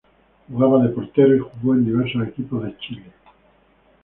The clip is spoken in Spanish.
Jugaba de portero y jugó en diversos equipos de Chile.